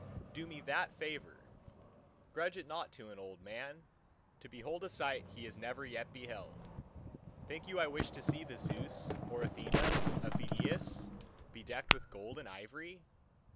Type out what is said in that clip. Do me that favour! Grudge it not to an old man, to behold a sight he has never yet beheld. Think you I wish to see the Zeus or Athena of Phidias, bedecked with gold and ivory?